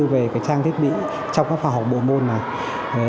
về trang thiết bị trong các phòng học bộ môn này